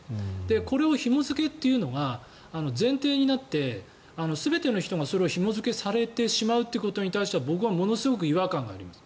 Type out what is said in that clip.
これをひも付けというのが前提になって全ての人がそれをひも付けされてしまうということに対しては僕はものすごく違和感があります。